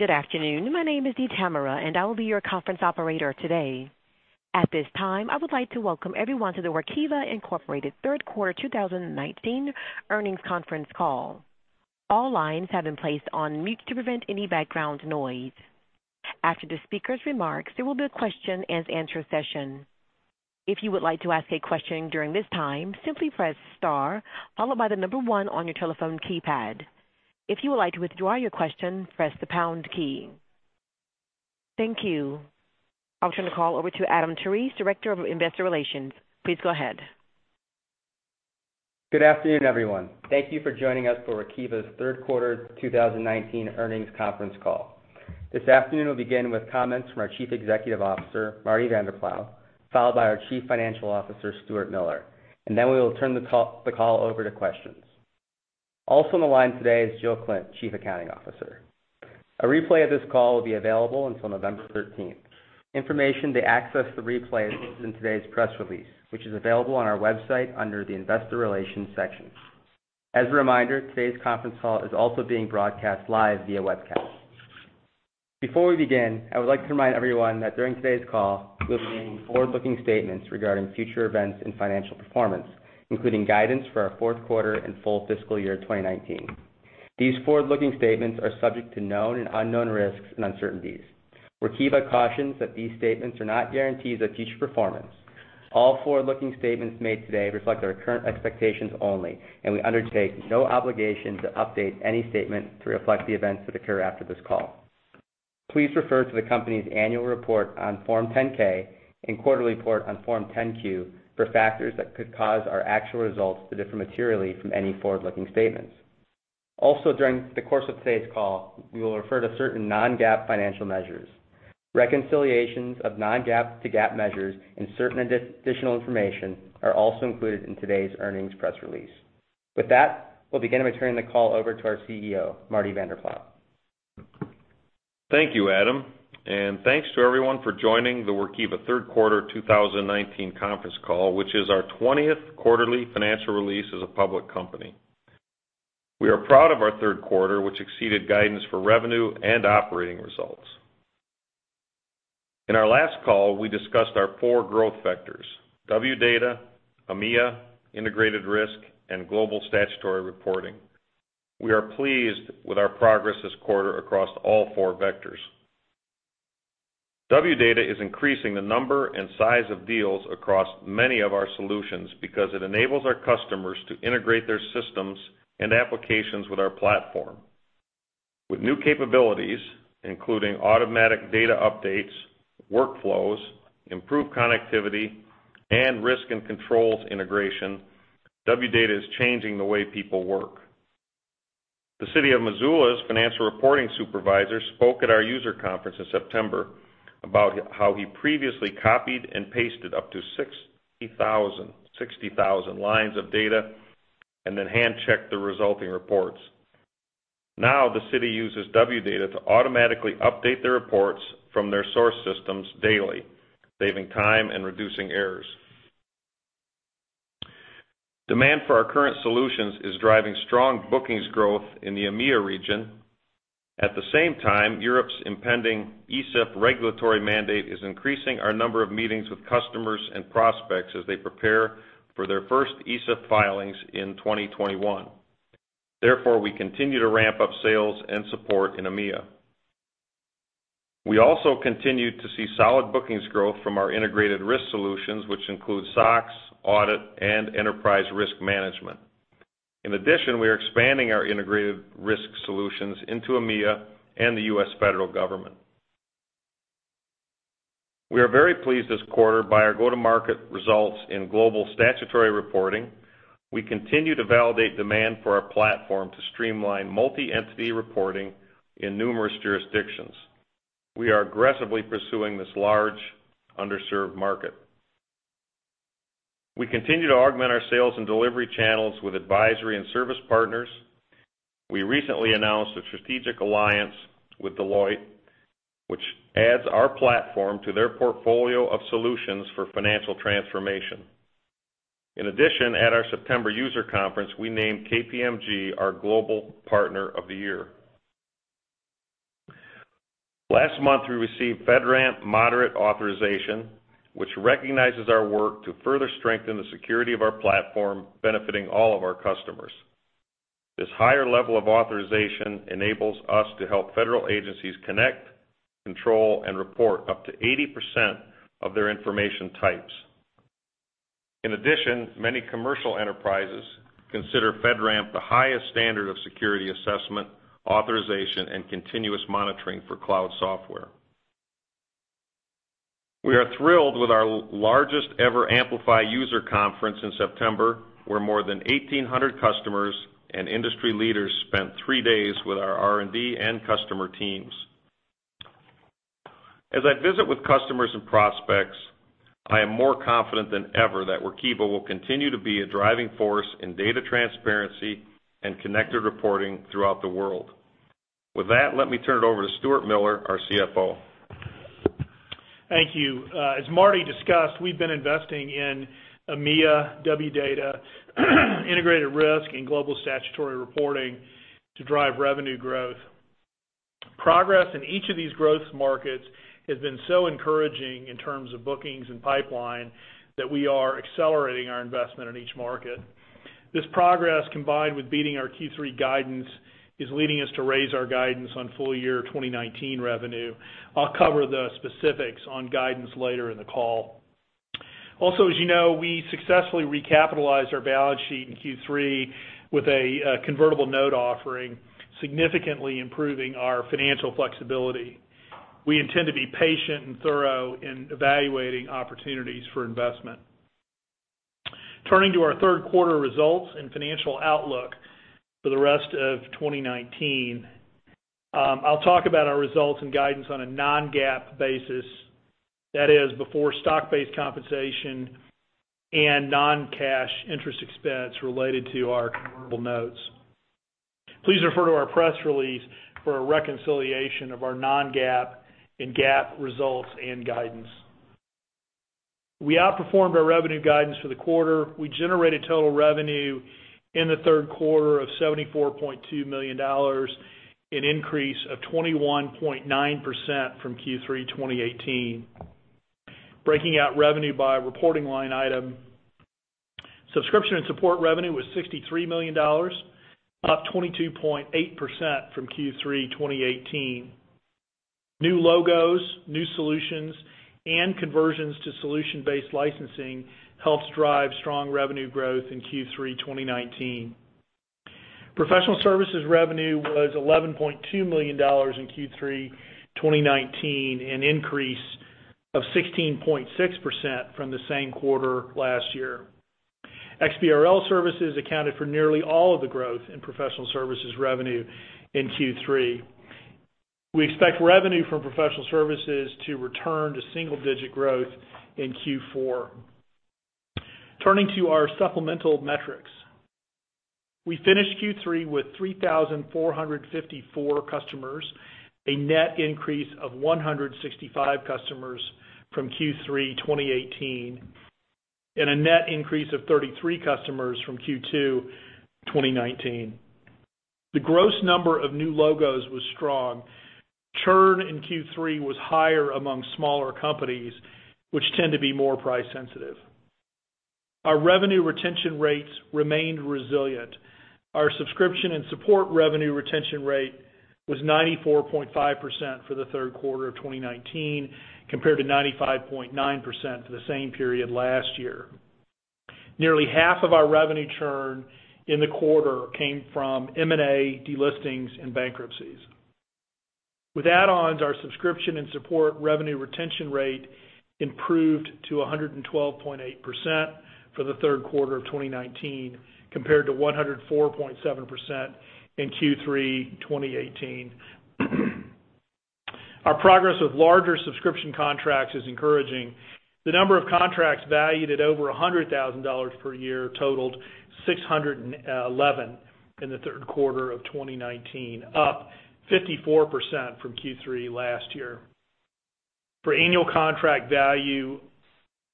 Good afternoon. My name is Tamara, and I will be your conference operator today. At this time, I would like to welcome everyone to the Workiva Inc. third quarter 2019 earnings conference call. All lines have been placed on mute to prevent any background noise. After the speaker's remarks, there will be a question-and-answer session. If you would like to ask a question during this time, simply press star followed by the number 1 on your telephone keypad. If you would like to withdraw your question, press the pound key. Thank you. I'll turn the call over to Adam Terese, Director of Investor Relations. Please go ahead. Good afternoon, everyone. Thank you for joining us for Workiva's third quarter 2019 earnings conference call. This afternoon, we'll begin with comments from our Chief Executive Officer, Marty Vanderploeg, followed by our Chief Financial Officer, Stuart Miller. Then we will turn the call over to questions. Also on the line today is Jill Klindt, Chief Accounting Officer. A replay of this call will be available until November 13th. Information to access the replay is in today's press release, which is available on our website under the investor relations section. As a reminder, today's conference call is also being broadcast live via webcast. Before we begin, I would like to remind everyone that during today's call, we'll be making forward-looking statements regarding future events and financial performance, including guidance for our fourth quarter and full fiscal year 2019. These forward-looking statements are subject to known and unknown risks and uncertainties. Workiva cautions that these statements are not guarantees of future performance. All forward-looking statements made today reflect our current expectations only, and we undertake no obligation to update any statement to reflect the events that occur after this call. Please refer to the company's annual report on Form 10-K and quarterly report on Form 10-Q for factors that could cause our actual results to differ materially from any forward-looking statements. Also, during the course of today's call, we will refer to certain non-GAAP financial measures. Reconciliations of non-GAAP to GAAP measures and certain additional information are also included in today's earnings press release. With that, we'll begin by turning the call over to our CEO, Marty Vanderploeg. Thank you, Adam, and thanks to everyone for joining the Workiva third quarter 2019 conference call, which is our 20th quarterly financial release as a public company. We are proud of our third quarter, which exceeded guidance for revenue and operating results. In our last call, we discussed our four growth vectors, Wdata, EMEA, Integrated Risk, and Global Statutory Reporting. We are pleased with our progress this quarter across all four vectors. Wdata is increasing the number and size of deals across many of our solutions because it enables our customers to integrate their systems and applications with our platform. With new capabilities, including automatic data updates, workflows, improved connectivity, and risk and controls integration, Wdata is changing the way people work. The City of Missoula's financial reporting supervisor spoke at our user conference in September about how he previously copied and pasted up to 60,000 lines of data and then hand-checked the resulting reports. Now, the city uses Wdata to automatically update their reports from their source systems daily, saving time and reducing errors. Demand for our current solutions is driving strong bookings growth in the EMEA region. At the same time, Europe's impending ESEF regulatory mandate is increasing our number of meetings with customers and prospects as they prepare for their first ESEF filings in 2021. Therefore, we continue to ramp up sales and support in EMEA. We also continued to see solid bookings growth from our Integrated Risk solutions, which include SOX, audit, and enterprise risk management. In addition, we are expanding our Integrated Risk solutions into EMEA and the U.S. federal government. We are very pleased this quarter by our go-to-market results in Global Statutory Reporting. We continue to validate demand for our platform to streamline multi-entity reporting in numerous jurisdictions. We are aggressively pursuing this large, underserved market. We continue to augment our sales and delivery channels with advisory and service partners. We recently announced a strategic alliance with Deloitte, which adds our platform to their portfolio of solutions for financial transformation. In addition, at our September user conference, we named KPMG our Global Partner of the Year. Last month, we received FedRAMP moderate authorization, which recognizes our work to further strengthen the security of our platform, benefiting all of our customers. This higher level of authorization enables us to help federal agencies connect, control, and report up to 80% of their information types. In addition, many commercial enterprises consider FedRAMP the highest standard of security assessment, authorization, and continuous monitoring for cloud software. We are thrilled with our largest ever Amplify user conference in September, where more than 1,800 customers and industry leaders spent three days with our R&D and customer teams. As I visit with customers and prospects, I am more confident than ever that Workiva will continue to be a driving force in data transparency and connected reporting throughout the world. With that, let me turn it over to Stuart Miller, our CFO. Thank you. As Marty discussed, we've been investing in EMEA, Wdata, Integrated Risk and Global Statutory Reporting to drive revenue growth. Progress in each of these growth markets has been so encouraging in terms of bookings and pipeline, that we are accelerating our investment in each market. This progress, combined with beating our Q3 guidance, is leading us to raise our guidance on full year 2019 revenue. I'll cover the specifics on guidance later in the call. As you know, we successfully recapitalized our balance sheet in Q3 with a convertible note offering, significantly improving our financial flexibility. We intend to be patient and thorough in evaluating opportunities for investment. Turning to our third quarter results and financial outlook for the rest of 2019. I'll talk about our results and guidance on a non-GAAP basis, that is before stock-based compensation and non-cash interest expense related to our convertible notes. Please refer to our press release for a reconciliation of our non-GAAP and GAAP results and guidance. We outperformed our revenue guidance for the quarter. We generated total revenue in the third quarter of $74.2 million, an increase of 21.9% from Q3 2018. Breaking out revenue by reporting line item. Subscription and support revenue was $63 million, up 22.8% from Q3 2018. New logos, new solutions, and conversions to solution-based licensing helps drive strong revenue growth in Q3 2019. Professional services revenue was $11.2 million in Q3 2019, an increase of 16.6% from the same quarter last year. XBRL services accounted for nearly all of the growth in professional services revenue in Q3. We expect revenue from professional services to return to single-digit growth in Q4. Turning to our supplemental metrics. We finished Q3 with 3,454 customers, a net increase of 165 customers from Q3 2018, and a net increase of 33 customers from Q2 2019. The gross number of new logos was strong. Churn in Q3 was higher among smaller companies, which tend to be more price sensitive. Our revenue retention rates remained resilient. Our subscription and support revenue retention rate was 94.5% for the third quarter of 2019, compared to 95.9% for the same period last year. Nearly half of our revenue churn in the quarter came from M&A delistings and bankruptcies. With add-ons, our subscription and support revenue retention rate improved to 112.8% for the third quarter of 2019, compared to 104.7% in Q3 2018. Our progress with larger subscription contracts is encouraging. The number of contracts valued at over $100,000 per year totaled 611 in the third quarter of 2019, up 54% from Q3 last year. For annual contract value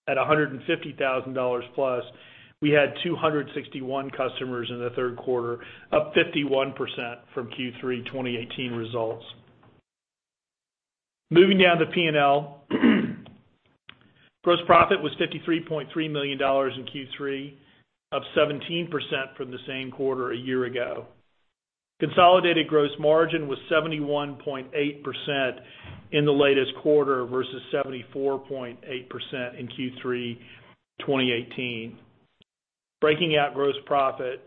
at $150,000 plus, we had 261 customers in the third quarter, up 51% from Q3 2018 results. Moving down to P&L. Gross profit was $53.3 million in Q3, up 17% from the same quarter a year ago. Consolidated gross margin was 71.8% in the latest quarter versus 74.8% in Q3 2018. Breaking out gross profit.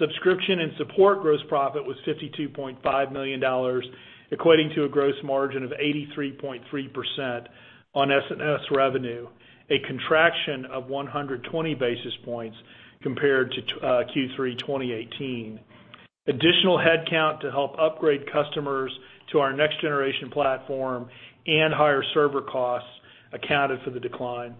Subscription and support gross profit was $52.5 million, equating to a gross margin of 83.3% on S&S revenue, a contraction of 120 basis points compared to Q3 2018. Additional headcount to help upgrade customers to our next-generation platform and higher server costs accounted for the decline.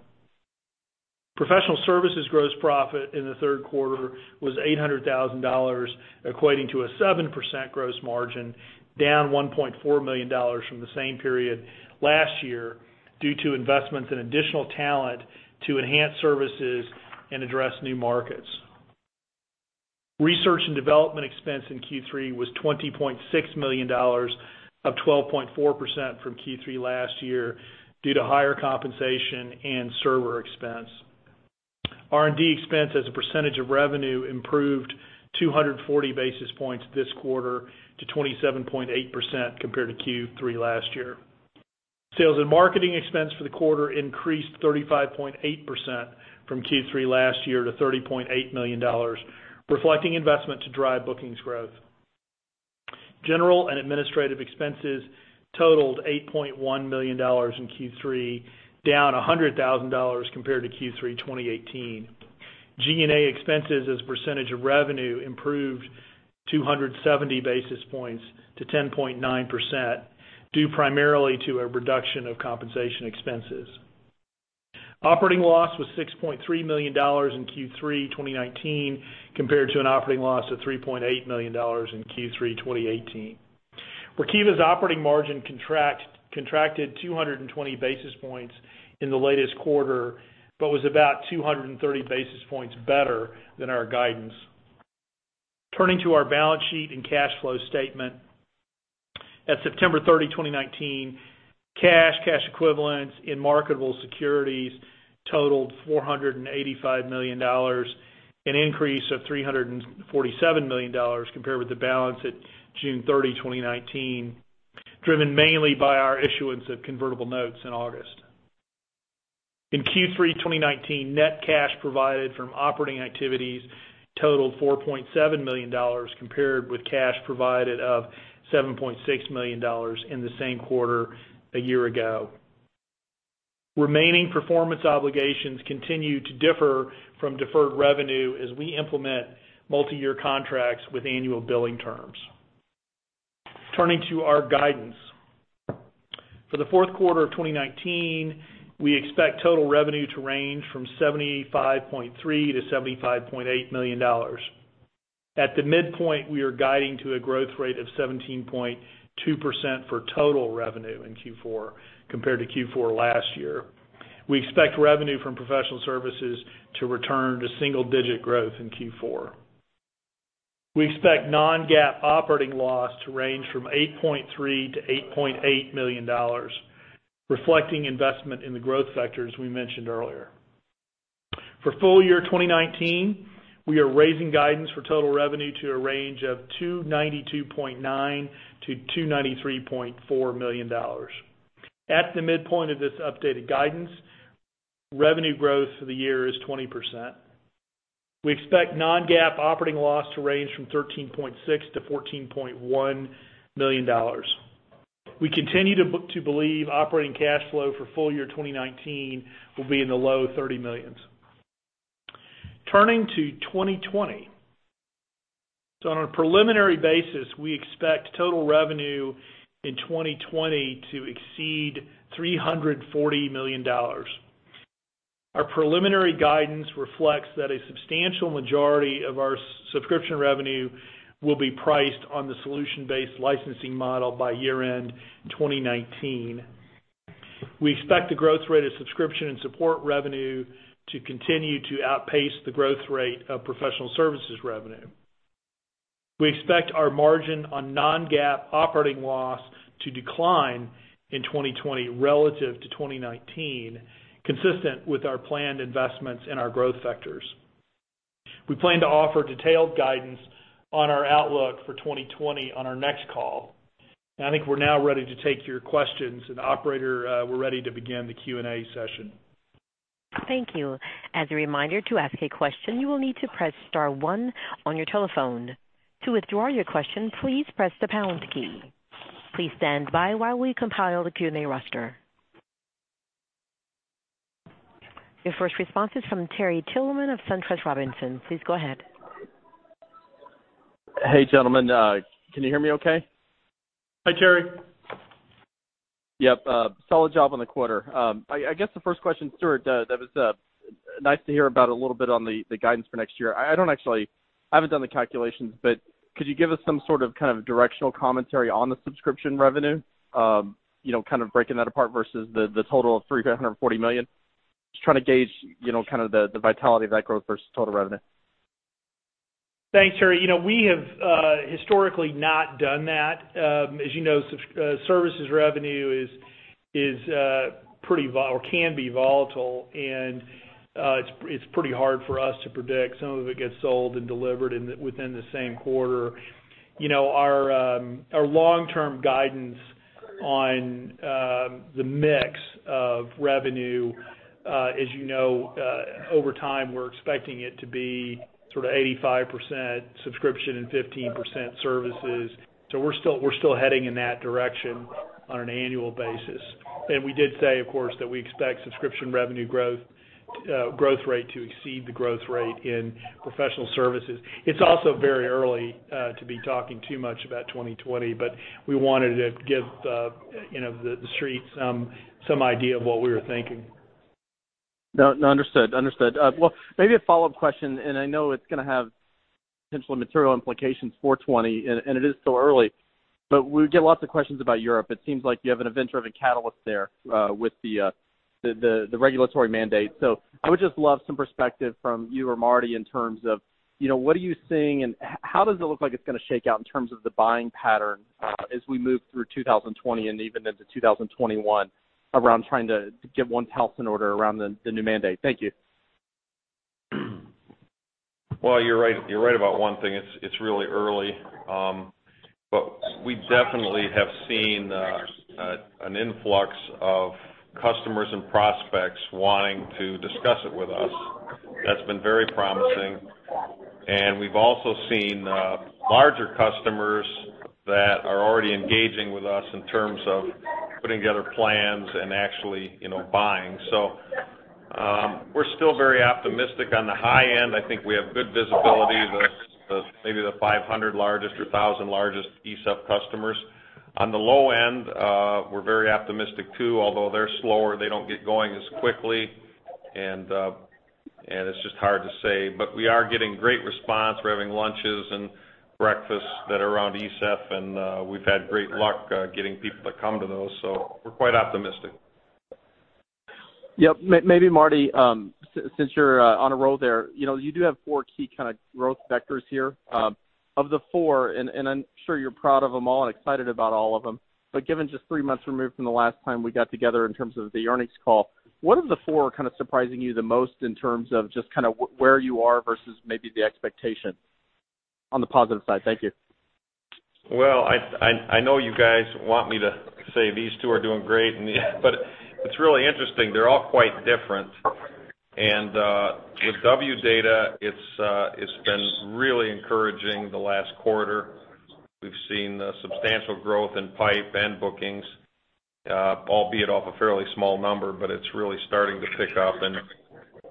Professional services gross profit in the third quarter was $800,000, equating to a 7% gross margin, down $1.4 million from the same period last year due to investments in additional talent to enhance services and address new markets. Research and development expense in Q3 was $20.6 million, up 12.4% from Q3 last year due to higher compensation and server expense. R&D expense as a percentage of revenue improved 240 basis points this quarter to 27.8% compared to Q3 last year. Sales and marketing expense for the quarter increased 35.8% from Q3 last year to $30.8 million, reflecting investment to drive bookings growth. General and administrative expenses totaled $8.1 million in Q3, down $100,000 compared to Q3 2018. G&A expenses as a percentage of revenue improved 270 basis points to 10.9%, due primarily to a reduction of compensation expenses. Operating loss was $6.3 million in Q3 2019, compared to an operating loss of $3.8 million in Q3 2018. Workiva's operating margin contracted 220 basis points in the latest quarter, but was about 230 basis points better than our guidance. Turning to our balance sheet and cash flow statement. At September 30, 2019, cash equivalents in marketable securities totaled $485 million, an increase of $347 million compared with the balance at June 30, 2019, driven mainly by our issuance of convertible notes in August. In Q3 2019, net cash provided from operating activities totaled $4.7 million, compared with cash provided of $7.6 million in the same quarter a year ago. Remaining performance obligations continue to differ from deferred revenue as we implement multi-year contracts with annual billing terms. Turning to our guidance. For the fourth quarter of 2019, we expect total revenue to range from $75.3 to $75.8 million. At the midpoint, we are guiding to a growth rate of 17.2% for total revenue in Q4 compared to Q4 last year. We expect revenue from professional services to return to single-digit growth in Q4. We expect non-GAAP operating loss to range from $8.3 million-$8.8 million, reflecting investment in the growth sectors we mentioned earlier. For full year 2019, we are raising guidance for total revenue to a range of $292.9 million-$293.4 million. At the midpoint of this updated guidance, revenue growth for the year is 20%. We expect non-GAAP operating loss to range from $13.6 million-$14.1 million. We continue to believe operating cash flow for full year 2019 will be in the low $30 millions. Turning to 2020. On a preliminary basis, we expect total revenue in 2020 to exceed $340 million. Our preliminary guidance reflects that a substantial majority of our subscription revenue will be priced on the solution-based licensing model by year-end 2019. We expect the growth rate of subscription and support revenue to continue to outpace the growth rate of professional services revenue. We expect our margin on non-GAAP operating loss to decline in 2020 relative to 2019, consistent with our planned investments in our growth sectors. We plan to offer detailed guidance on our outlook for 2020 on our next call. I think we're now ready to take your questions. Operator, we're ready to begin the Q&A session. Thank you. As a reminder, to ask a question, you will need to press star one on your telephone. To withdraw your question, please press the pound key. Please stand by while we compile the Q&A roster. Your first response is from Terry Tillman of SunTrust Robinson. Please go ahead. Hey, gentlemen. Can you hear me okay? Hi, Terry. Yep. Solid job on the quarter. I guess the first question, Stuart, that was nice to hear about a little bit on the guidance for next year. I haven't done the calculations, but could you give us some sort of directional commentary on the subscription revenue, kind of breaking that apart versus the total of $340 million? Just trying to gauge the vitality of that growth versus total revenue. Thanks, Terry. We have historically not done that. You know services revenue can be volatile, and it's pretty hard for us to predict. Some of it gets sold and delivered within the same quarter. Our long-term guidance on the mix of revenue, as you know over time, we're expecting it to be sort of 85% subscription and 15% services. We're still heading in that direction on an annual basis. We did say, of course, that we expect subscription revenue growth rate to exceed the growth rate in professional services. It's also very early to be talking too much about 2020, we wanted to give the Street some idea of what we were thinking. No, understood. Well, maybe a follow-up question, and I know it's going to have potential material implications for 2020, and it is still early, but we get lots of questions about Europe. It seems like you have an event or a catalyst there, with the regulatory mandate. I would just love some perspective from you or Marty in terms of what are you seeing, and how does it look like it's going to shake out in terms of the buying pattern as we move through 2020 and even into 2021 around trying to get one's house in order around the new mandate? Thank you. Well, you're right about one thing. It's really early. We definitely have seen an influx of customers and prospects wanting to discuss it with us. That's been very promising. We've also seen larger customers that are already engaging with us in terms of putting together plans and actually buying. We're still very optimistic. On the high end, I think we have good visibility with maybe the 500 largest or 1,000 largest ESEF customers. On the low end, we're very optimistic too, although they're slower, they don't get going as quickly, and it's just hard to say. We are getting great response. We're having lunches and breakfasts that are around ESEF, and we've had great luck getting people to come to those, we're quite optimistic. Yep. Maybe Marty, since you're on a roll there. You do have four key growth vectors here. Of the four, I'm sure you're proud of them all and excited about all of them, but given just three months removed from the last time we got together in terms of the earnings call, what of the four are surprising you the most in terms of just where you are versus maybe the expectation, on the positive side? Thank you. I know you guys want me to say these two are doing great, but it's really interesting. They're all quite different. With Wdata, it's been really encouraging the last quarter. We've seen substantial growth in pipe and bookings, albeit off a fairly small number, but it's really starting to pick up, and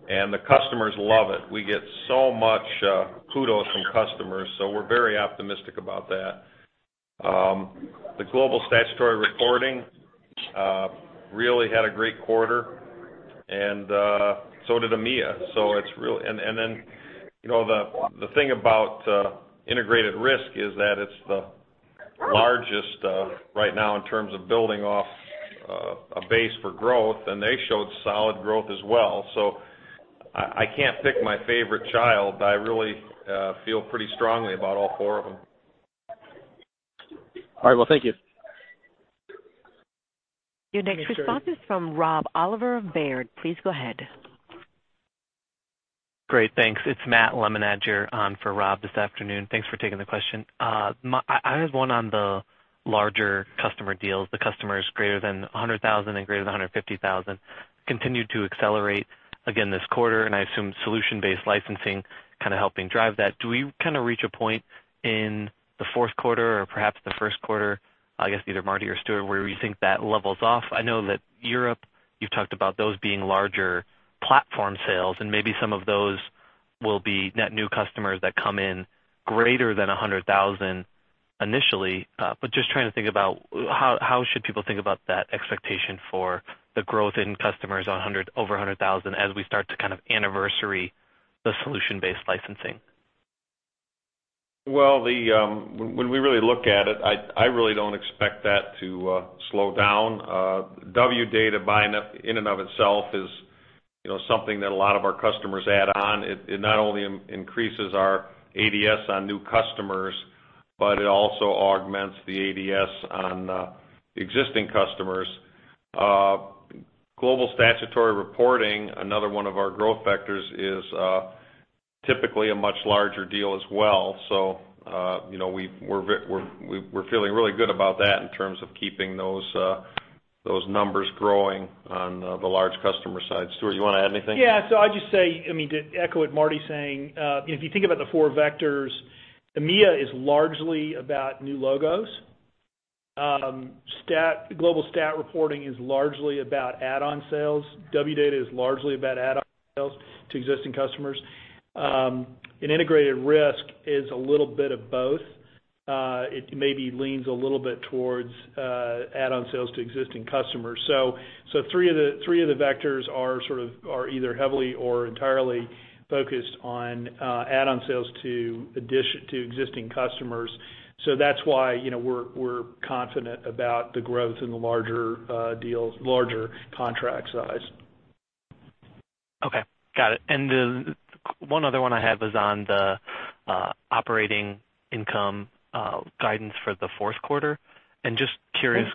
the customers love it. We get so much kudos from customers, so we're very optimistic about that. The Global Statutory Reporting really had a great quarter, and so did EMEA. The thing about Integrated Risk is that it's the largest right now in terms of building off a base for growth, and they showed solid growth as well. I can't pick my favorite child, but I really feel pretty strongly about all four of them. All right. Well, thank you. Your next response is from Rob Oliver of Baird. Please go ahead. Great, thanks. It's Matt Lemenager on for Rob this afternoon. Thanks for taking the question. I have one on the larger customer deals, the customers greater than 100,000 and greater than 150,000, continued to accelerate again this quarter, and I assume solution-based licensing helping drive that. Do we reach a point in the fourth quarter or perhaps the first quarter, I guess, either Marty or Stuart, where we think that levels off? I know that Europe, you've talked about those being larger platform sales, and maybe some of those will be net new customers that come in greater than 100,000 initially. Just trying to think about how should people think about that expectation for the growth in customers over 100,000 as we start to anniversary the solution-based licensing? When we really look at it, I really don't expect that to slow down. Wdata in and of itself is something that a lot of our customers add on. It not only increases our ADS on new customers, but it also augments the ADS on existing customers. Global Statutory Reporting, another one of our growth vectors, is typically a much larger deal as well. We're feeling really good about that in terms of keeping those numbers growing on the large customer side. Stuart, you want to add anything? Yeah. I'd just say, to echo what Marty's saying, if you think about the four vectors, EMEA is largely about new logos. Global Stat Reporting is largely about add-on sales. Wdata is largely about add-on sales to existing customers. Integrated Risk is a little bit of both. It maybe leans a little bit towards add-on sales to existing customers. Three of the vectors are either heavily or entirely focused on add-on sales to existing customers. That's why we're confident about the growth in the larger deals, larger contract size. Okay. Got it. One other one I have is on the operating income guidance for the fourth quarter. Just curious,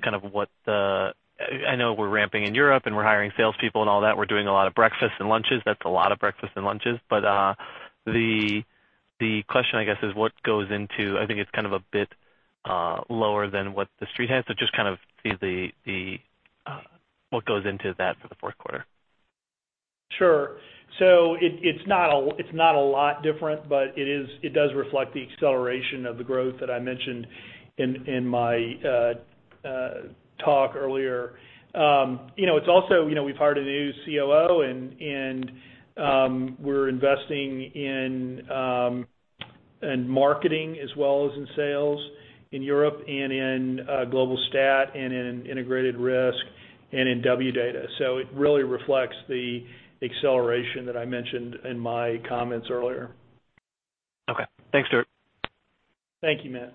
I know we're ramping in Europe and we're hiring salespeople and all that. We're doing a lot of breakfasts and lunches. That's a lot of breakfasts and lunches. The question, I guess, is I think it's a bit lower than what the Street has. Just see what goes into that for the fourth quarter. Sure. It's not a lot different, but it does reflect the acceleration of the growth that I mentioned in my talk earlier. We've hired a new COO, and we're investing in marketing as well as in sales in Europe and in Global Stat and in Integrated Risk and in Wdata. It really reflects the acceleration that I mentioned in my comments earlier. Okay. Thanks, Stuart. Thank you, Matt.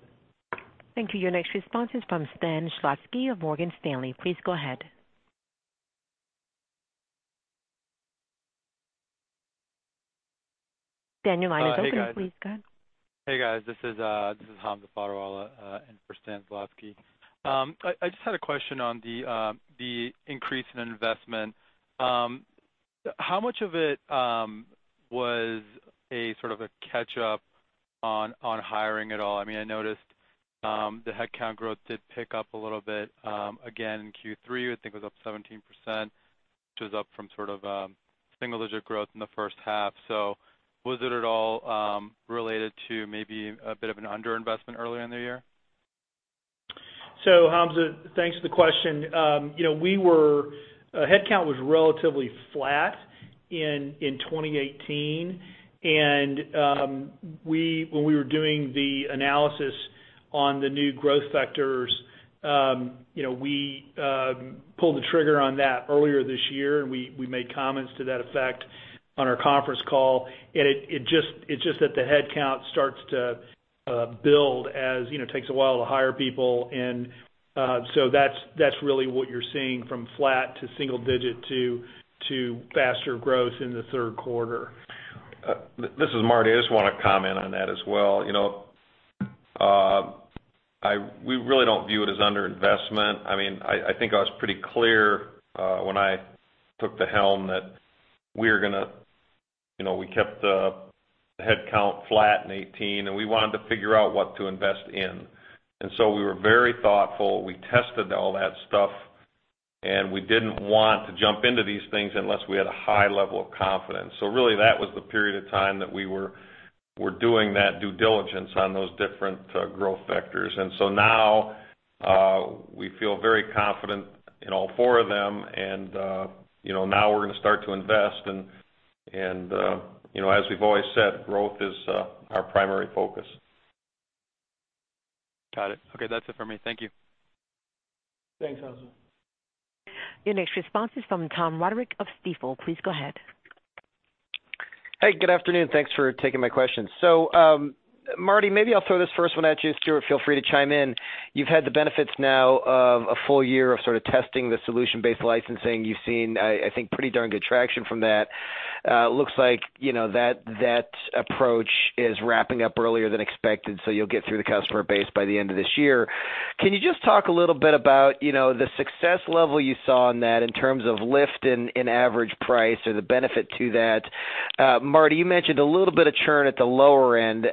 Thank you. Your next response is from Stan Zlotsky of Morgan Stanley. Please go ahead. Stan, your line is open. Please go ahead. Hey, guys. This is Hamza Fodderwala in for Stan Zlotsky. I just had a question on the increase in investment. How much of it was a sort of a catch up on hiring at all? I noticed the headcount growth did pick up a little bit, again, in Q3. I think it was up 17%, which was up from single-digit growth in the first half. Was it at all related to maybe a bit of an under-investment earlier in the year? Hamza, thanks for the question. Headcount was relatively flat in 2018, and when we were doing the analysis on the new growth vectors, we pulled the trigger on that earlier this year, and we made comments to that effect on our conference call. It's just that the headcount starts to build as it takes a while to hire people. That's really what you're seeing from flat to single digit to faster growth in the third quarter. This is Marty. I just want to comment on that as well. We really don't view it as under-investment. I think I was pretty clear, when I took the helm, that we kept the headcount flat in 2018, and we wanted to figure out what to invest in. We were very thoughtful. We tested all that stuff, and we didn't want to jump into these things unless we had a high level of confidence. Really, that was the period of time that we were doing that due diligence on those different growth vectors. Now, we feel very confident in all four of them, and now we're going to start to invest, and as we've always said, growth is our primary focus. Got it. Okay, that's it for me. Thank you. Thanks, Hamza. Your next response is from Tom Roderick of Stifel. Please go ahead. Hey, good afternoon. Thanks for taking my questions. Marty, maybe I'll throw this first one at you. Stuart, feel free to chime in. You've had the benefits now of a full year of sort of testing the solution-based licensing. You've seen, I think, pretty darn good traction from that. Looks like that approach is wrapping up earlier than expected, you'll get through the customer base by the end of this year. Can you just talk a little bit about the success level you saw on that in terms of lift in average price or the benefit to that? Marty, you mentioned a little bit of churn at the lower end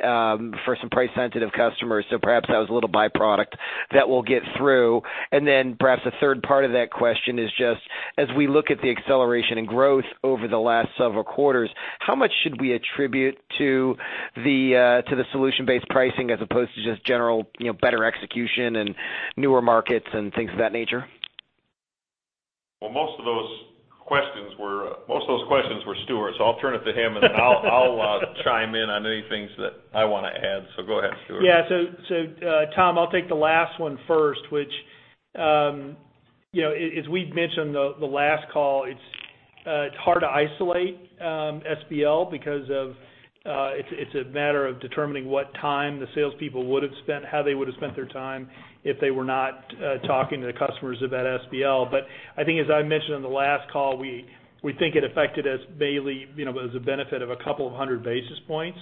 for some price-sensitive customers, perhaps that was a little byproduct that we'll get through. Perhaps the third part of that question is just as we look at the acceleration in growth over the last several quarters, how much should we attribute to the solution-based pricing as opposed to just general better execution and newer markets and things of that nature? Most of those questions were Stuart's, so I'll turn it to him and then I'll chime in on any things that I want to add. Go ahead, Stuart. Tom, I'll take the last one first, which as we'd mentioned the last call, it's hard to isolate SBL because it's a matter of determining what time the salespeople would've spent, how they would've spent their time if they were not talking to the customers about SBL. I think as I mentioned on the last call, we think it affected us, barely, but it was a benefit of a couple of hundred basis points.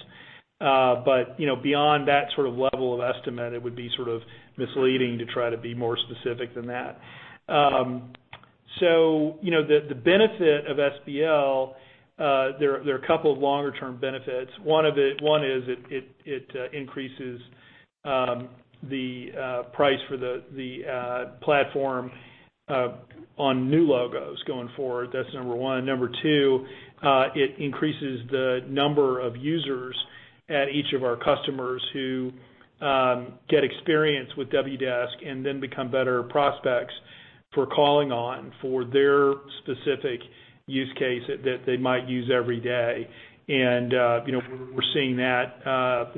Beyond that sort of level of estimate, it would be sort of misleading to try to be more specific than that. The benefit of SBL, there are a couple of longer-term benefits. One is it increases the price for the platform on new logos going forward. That's number one. Number two, it increases the number of users at each of our customers who get experience with Wdesk and then become better prospects for calling on for their specific use case that they might use every day. We're seeing that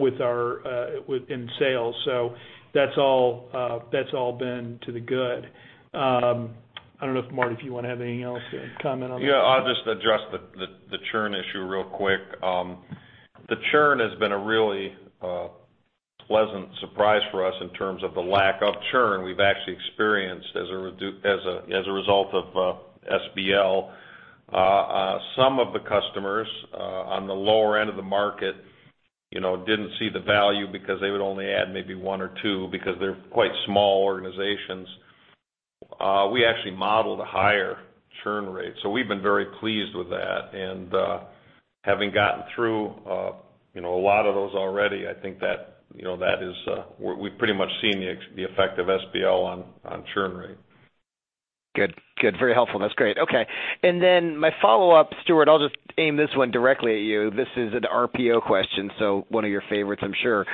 in sales. That's all been to the good. I don't know if, Marty, if you want to have anything else to comment on that. Yeah, I'll just address the churn issue real quick. The churn has been a really pleasant surprise for us in terms of the lack of churn we've actually experienced as a result of SBL. Some of the customers on the lower end of the market didn't see the value because they would only add maybe one or two because they're quite small organizations. We actually modeled a higher churn rate, we've been very pleased with that. Having gotten through a lot of those already, I think that we've pretty much seen the effect of SBL on churn rate. Good. Good. Very helpful. That's great. Okay. My follow-up, Stuart, I'll just aim this one directly at you. This is an RPO question, so one of your favorites, I'm sure.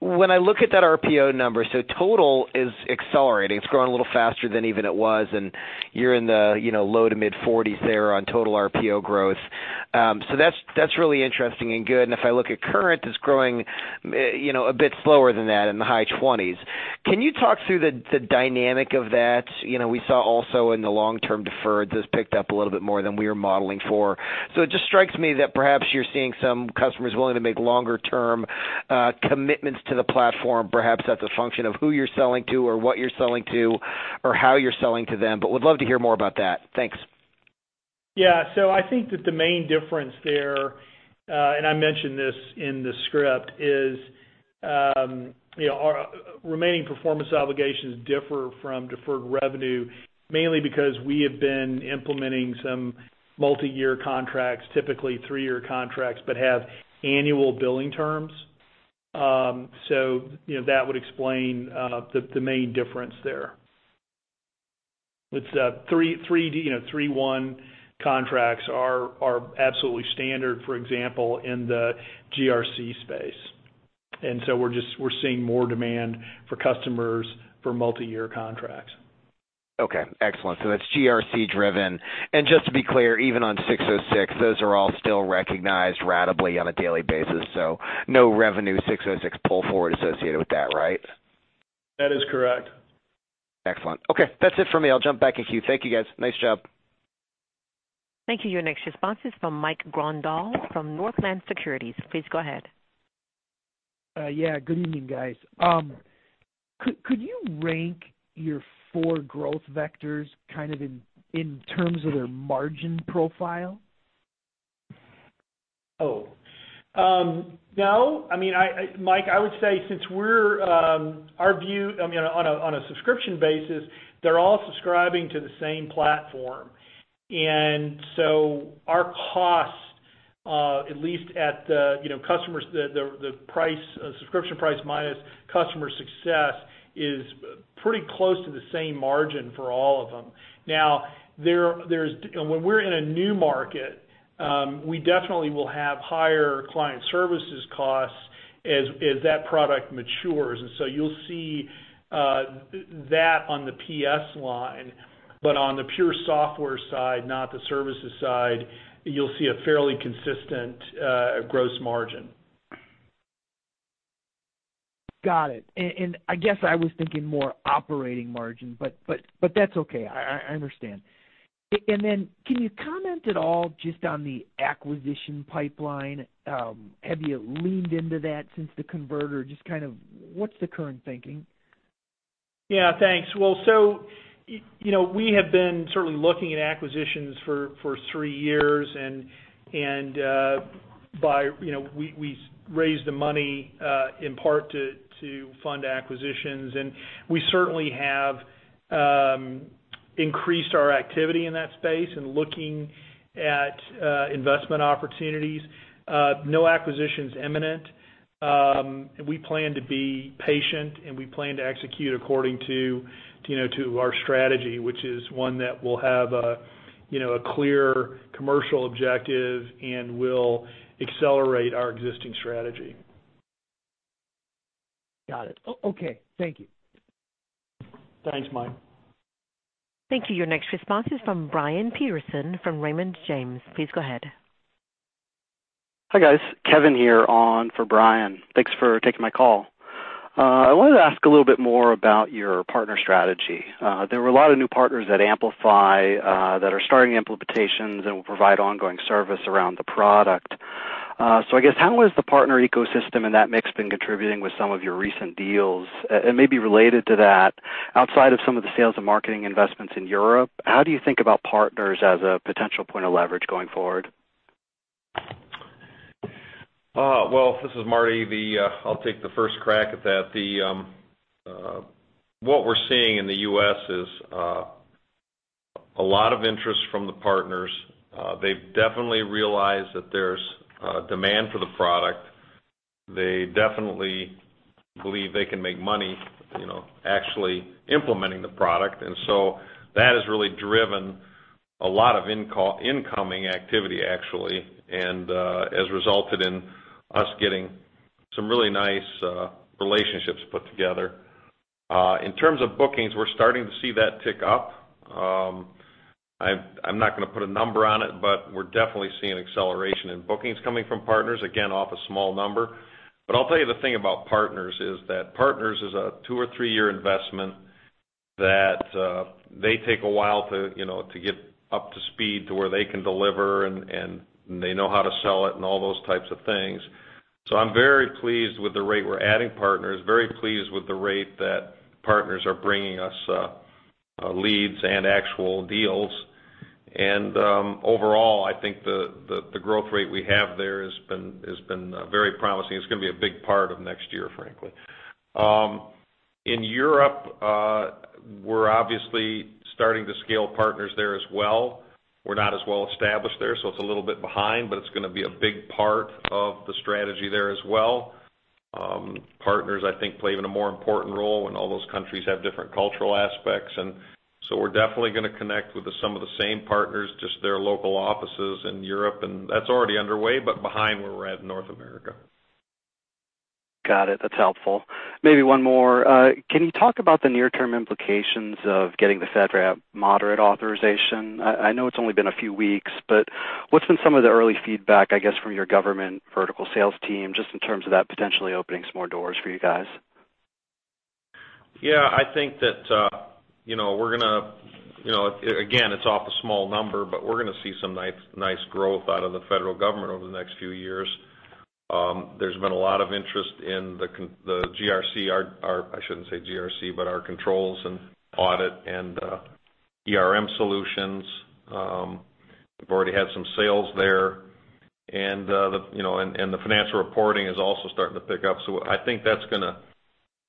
When I look at that RPO number, total is accelerating. It's growing a little faster than even it was, and you're in the low to mid-40s there on total RPO growth. That's really interesting and good. If I look at current, it's growing a bit slower than that in the high 20s. Can you talk through the dynamic of that? We saw also in the long term deferreds has picked up a little bit more than we were modeling for. It just strikes me that perhaps you're seeing some customers willing to make longer-term commitments to the platform. Perhaps that's a function of who you're selling to or what you're selling to or how you're selling to them, but would love to hear more about that. Thanks. I think that the main difference there, and I mentioned this in the script, is our remaining performance obligations differ from deferred revenue mainly because we have been implementing some multi-year contracts, typically three-year contracts, but have annual billing terms. That would explain the main difference there. Three-year contracts are absolutely standard, for example, in the GRC space. We're seeing more demand for customers for multi-year contracts. Excellent. That's GRC driven. Just to be clear, even on 606, those are all still recognized ratably on a daily basis. No revenue, 606 pull forward associated with that, right? That is correct. Excellent. Okay, that's it for me. I'll jump back in queue. Thank you, guys. Nice job. Thank you. Your next response is from Mike Grondahl from Northland Securities. Please go ahead. Yeah, good evening, guys. Could you rank your four growth vectors in terms of their margin profile? Oh. No. Mike, I would say since our view on a subscription basis, they're all subscribing to the same platform. Our cost, at least at the subscription price minus customer success, is pretty close to the same margin for all of them. Now, when we're in a new market, we definitely will have higher client services costs as that product matures. You'll see that on the PS line, but on the pure software side, not the services side, you'll see a fairly consistent gross margin. Got it. I guess I was thinking more operating margin, but that's okay. I understand. Can you comment at all just on the acquisition pipeline? Have you leaned into that since the conference? Just what's the current thinking? Yeah, thanks. Well, we have been certainly looking at acquisitions for three years, and we raised the money, in part, to fund acquisitions, and we certainly have increased our activity in that space and looking at investment opportunities. No acquisition's imminent. We plan to be patient, and we plan to execute according to our strategy, which is one that will have a clear commercial objective and will accelerate our existing strategy. Got it. Okay. Thank you. Thanks, Mike. Thank you. Your next response is from Brian Peterson from Raymond James. Please go ahead. Hi, guys. Kevin here on for Brian. Thanks for taking my call. I wanted to ask a little bit more about your partner strategy. There were a lot of new partners at Amplify, that are starting implementations and will provide ongoing service around the product. I guess, how has the partner ecosystem in that mix been contributing with some of your recent deals? Maybe related to that, outside of some of the sales and marketing investments in Europe, how do you think about partners as a potential point of leverage going forward? Well, this is Marty. I'll take the first crack at that. What we're seeing in the U.S. is a lot of interest from the partners. They've definitely realized that there's demand for the product. They definitely believe they can make money actually implementing the product. That has really driven a lot of incoming activity, actually, and has resulted in us getting some really nice relationships put together. In terms of bookings, we're starting to see that tick up. I'm not going to put a number on it, but we're definitely seeing acceleration in bookings coming from partners, again, off a small number. I'll tell you the thing about partners is that partners is a two or three-year investment that they take a while to get up to speed to where they can deliver, and they know how to sell it and all those types of things. I'm very pleased with the rate we're adding partners, very pleased with the rate that partners are bringing us leads and actual deals. Overall, I think the growth rate we have there has been very promising. It's going to be a big part of next year, frankly. In Europe, we're obviously starting to scale partners there as well. We're not as well established there, so it's a little bit behind, but it's going to be a big part of the strategy there as well. Partners, I think, play even a more important role when all those countries have different cultural aspects, we're definitely going to connect with some of the same partners, just their local offices in Europe, and that's already underway, but behind where we're at in North America. Got it. That's helpful. Maybe one more. Can you talk about the near-term implications of getting the FedRAMP moderate authorization? I know it's only been a few weeks, what's been some of the early feedback, I guess, from your government vertical sales team, just in terms of that potentially opening some more doors for you guys? Yeah, I think that, again, it's off a small number, but we're going to see some nice growth out of the federal government over the next few years. There's been a lot of interest in the GRC, I shouldn't say GRC, but our controls and audit and ERM solutions. We've already had some sales there. The financial reporting is also starting to pick up. I think that's going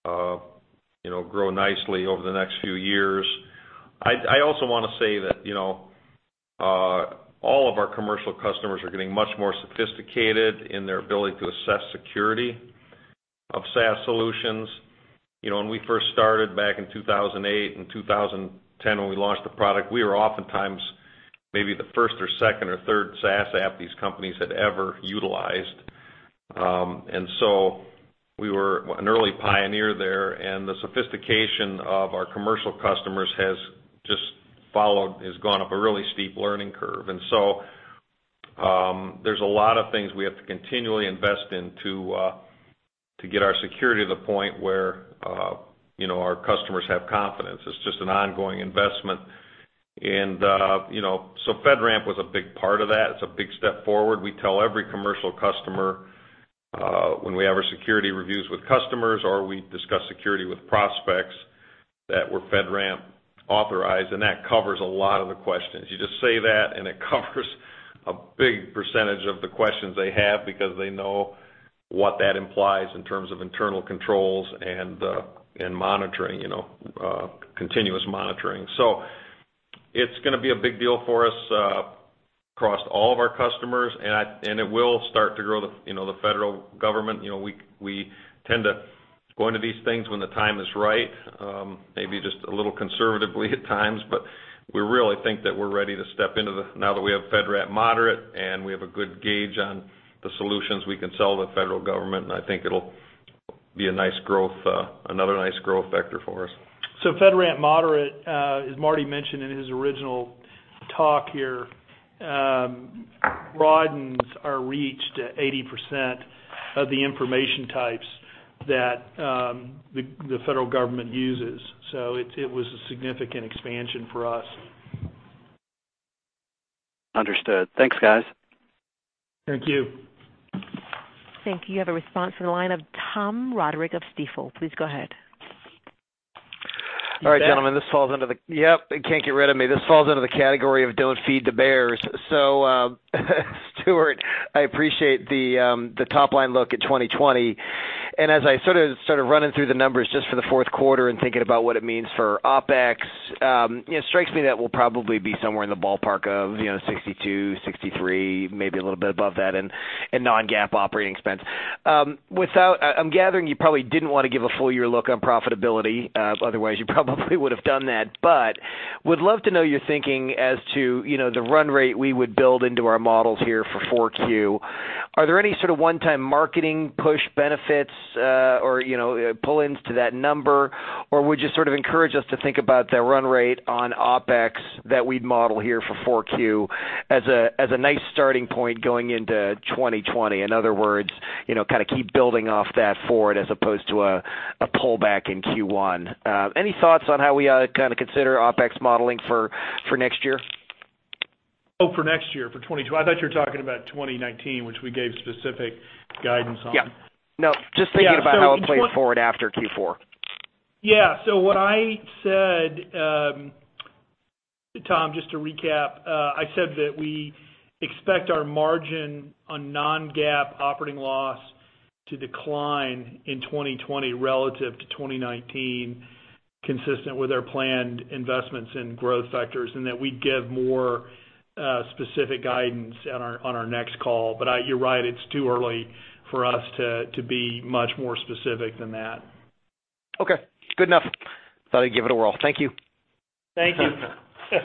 to grow nicely over the next few years. I also want to say that all of our commercial customers are getting much more sophisticated in their ability to assess security of SaaS solutions. When we first started back in 2008 and 2010 when we launched the product, we were oftentimes maybe the first or second or third SaaS app these companies had ever utilized. We were an early pioneer there, and the sophistication of our commercial customers has just followed, has gone up a really steep learning curve. There's a lot of things we have to continually invest in to get our security to the point where our customers have confidence. It's just an ongoing investment. FedRAMP was a big part of that. It's a big step forward. We tell every commercial customer, when we have our security reviews with customers, or we discuss security with prospects, that we're FedRAMP authorized, and that covers a lot of the questions. You just say that, and it covers a big percentage of the questions they have because they know what that implies in terms of internal controls and monitoring, continuous monitoring. It's gonna be a big deal for us across all of our customers, and it will start to grow the Federal Government. We tend to go into these things when the time is right. Maybe just a little conservatively at times, but we really think that we're ready to step into the Now that we have FedRAMP moderate and we have a good gauge on the solutions we can sell the Federal Government, and I think it'll be another nice growth vector for us. FedRAMP moderate, as Marty mentioned in his original talk here, broadens our reach to 80% of the information types that the federal government uses. It was a significant expansion for us. Understood. Thanks, guys. Thank you. Thank you. You have a response from the line of Tom Roderick of Stifel. Please go ahead. All right, gentlemen. Yep, they can't get rid of me. This falls under the category of "don't feed the bears." Stuart, I appreciate the top line look at 2020. As I started running through the numbers just for the fourth quarter and thinking about what it means for OpEx, it strikes me that we'll probably be somewhere in the ballpark of 62, 63, maybe a little bit above that in non-GAAP operating expense. I'm gathering you probably didn't want to give a full year look on profitability, otherwise you probably would've done that, would love to know your thinking as to the run rate we would build into our models here for 4Q. Are there any sort of one-time marketing push benefits, or pull-ins to that number, or would you sort of encourage us to think about the run rate on OpEx that we'd model here for 4Q as a nice starting point going into 2020? In other words, kind of keep building off that forward as opposed to a pullback in Q1. Any thoughts on how we kind of consider OpEx modeling for next year? Oh, for next year, for 2022. I thought you were talking about 2019, which we gave specific guidance on. Yeah. No, just thinking about how it plays forward after Q4. Yeah. What I said, Tom, just to recap, I said that we expect our margin on non-GAAP operating loss to decline in 2020 relative to 2019, consistent with our planned investments in growth vectors, and that we'd give more specific guidance on our next call. You're right, it's too early for us to be much more specific than that. Okay, good enough. Thought I'd give it a whirl. Thank you. Thank you.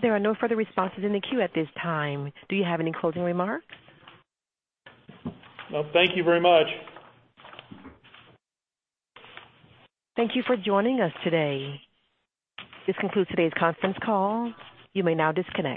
There are no further responses in the queue at this time. Do you have any closing remarks? No, thank you very much. Thank you for joining us today. This concludes today's conference call. You may now disconnect.